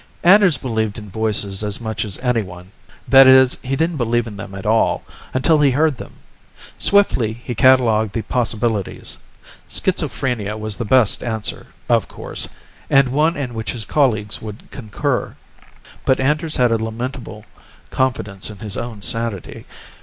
Anders believed in voices as much as anyone; that is, he didn't believe in them at all, until he heard them. Swiftly he catalogued the possibilities. Schizophrenia was the best answer, of course, and one in which his colleagues would concur. But Anders had a lamentable confidence in his own sanity.